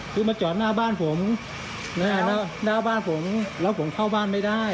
คือมาจอดหน้าบ้านผมหน้าบ้านผมแล้วผมเข้าบ้านไม่ได้